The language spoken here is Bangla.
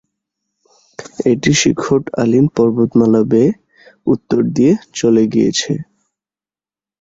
এটি শিখোট-আলিন পর্বতমালা বেয়ে উত্তর দিয়ে চলে গিয়েছে।